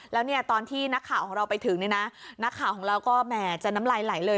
แล้วเนี่ยตอนที่นักข่าวของเราไปถึงเนี่ยนะนักข่าวของเราก็แหมจะน้ำลายไหลเลย